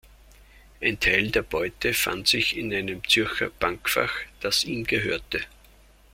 Ein Teil der Beute fand sich in einem Zürcher Bankfach, das ihm gehörte.